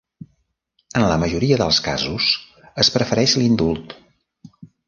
En la majoria dels casos es prefereix l'indult.